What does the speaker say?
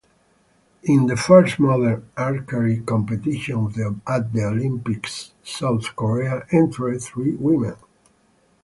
In the first modern archery competition at the Olympics, South Korea entered three women.